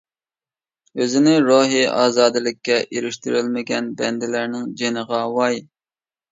ئۆزىنى روھىي ئازادىلىككە ئېرىشتۈرەلمىگەن بەندىلەرنىڭ جېنىغا ۋاي!